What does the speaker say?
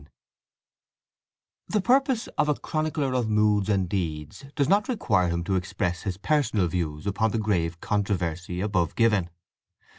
V The purpose of a chronicler of moods and deeds does not require him to express his personal views upon the grave controversy above given.